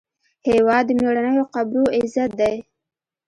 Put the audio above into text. هېواد د میړنیو قبرو عزت دی.